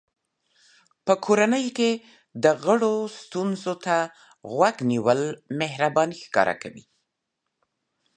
کورنۍ کې د غړو ستونزو ته غوږ نیول مهرباني ښکاره کوي.